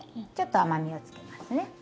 ちょっと甘みをつけますね。